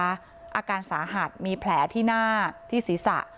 อาการสาหัสมีแผลที่หน้าที่ศีรษะ